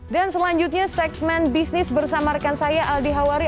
dan selanjutnya segmen bisnis bersama rekan saya aldi hawari